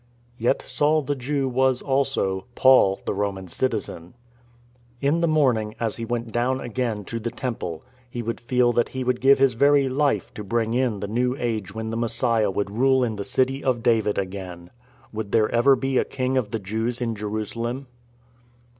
Yet Saul the Jew was, also, Paul the Roman citizen. In the morning, as he went down again to the Temple, he would feel that he would give his very life to bring in the New Age when the Messiah would rule THE GOLDEN AGE 67 in the City of David again. Would there ever be a King of the Jews in Jerusalem?